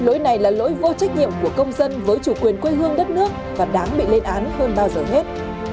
lỗi này là lỗi vô trách nhiệm của công dân với chủ quyền quê hương đất nước và đáng bị lên án hơn bao giờ hết